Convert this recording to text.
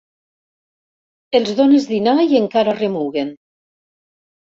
Els dónes dinar i encara remuguen.